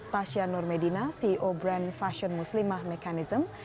tasha nur medina ceo brand fashion muslimah mechanism